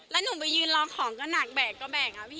แล้วหนูไปยืนรอของก็หนักแบกก็แบกอะพี่